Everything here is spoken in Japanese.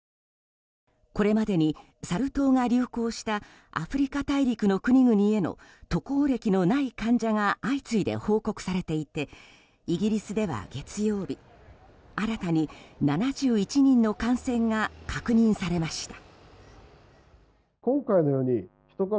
これまでにサル痘が流行したアフリカ大陸の国々への渡航歴のない患者が相次いで報告されていてイギリスでは月曜日、新たに７１人の感染が確認されました。